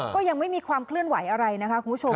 ก็ยังไม่มีความเคลื่อนไหวอะไรนะคะคุณผู้ชม